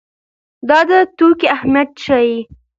دا د توکي اهميت ښيي.